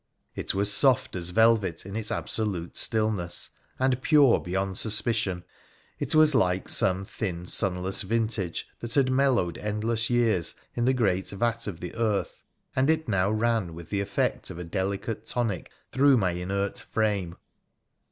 It was soft as velvet in its absolute stillness, and pure beyond suspicion. It was like some thin, sunless vintage that had mellowed endless years in the great vat of the earth, and it now ran with the effect of a delicate tonic through my inert frame.